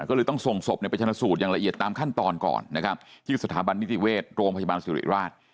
ก็เลยต้องส่งศพไปชนะสูตรอย่างละเอียดตามขั้นตอนก่อนนะครับที่สถาบันนิติเวชโรงพยาบาลสุริราช